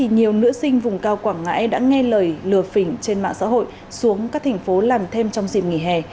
nhiều nữ sinh vùng cao quảng ngãi đã nghe lời lừa phỉnh trên mạng xã hội xuống các thành phố làm thêm trong dịp nghỉ hè